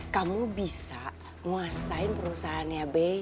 kamu bisa nguasain perusahaannya